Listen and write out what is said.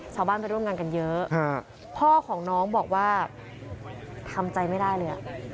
ชาวบ้านไปร่วมงานกันเยอะพ่อของน้องบอกว่าทำใจไม่ได้เลย